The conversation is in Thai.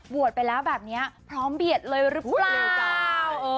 บวชไปแล้วแบบนี้พร้อมเบียดเลยรึเปล่า